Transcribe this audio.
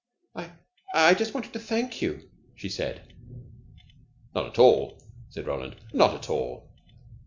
"I I just wanted to thank you," she said. "Not at all," said Roland. "Not at all."